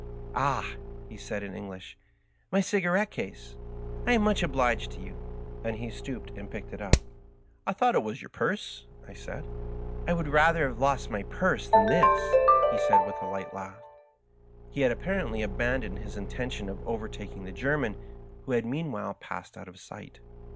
" Ah 1 " he said in English, " my cigarette case I I am much obliged to you,'' and he stooped and picked it up. " I thought it was your purse," I said. " I would rather have lost my purse than this," he said, with a light laugh. He had apparently abandoned his intention of overtaking the German, who had mean while passed out of sight.